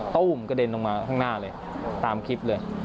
ตู้มกระเด็นลงมาข้างหน้าเลยตามคลิปเลย